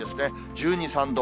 １２、３度。